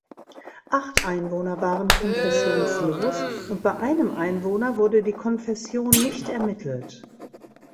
Acht Einwohner waren konfessionslos und bei einem Einwohner wurde die Konfession nicht ermittelt.